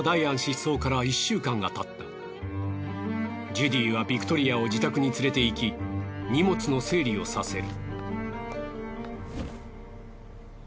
ジュディはビクトリアを自宅に連れていき荷物の整理をさせる。